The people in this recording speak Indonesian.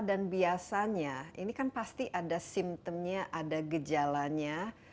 dan biasanya ini kan pasti ada simptomnya ada gejalanya